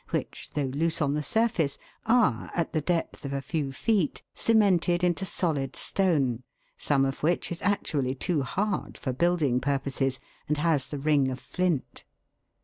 which, though loose on the surface, are, at the depth of a few feet, cemented into solid stone, some of which is actually too hard for building pur poses and has the ring of flint.